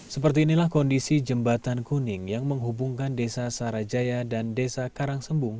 seperti inilah kondisi jembatan kuning yang menghubungkan desa sarajaya dan desa karangsembung